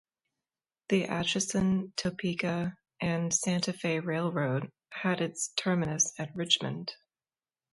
The Atchison, Topeka and Santa Fe Railroad had its terminus at Richmond.